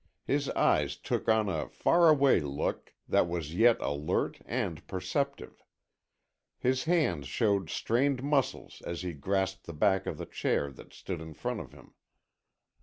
His eyes took on a far away look that was yet alert and receptive. His hands showed strained muscles as he grasped the back of a chair that stood in front of him.